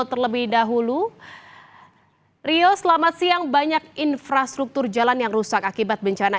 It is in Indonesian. terlebih dahulu rio selamat siang banyak infrastruktur jalan yang rusak akibat bencana